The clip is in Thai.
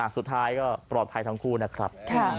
สุดท้ายก็ปลอดภัยทั้งคู่นะครับ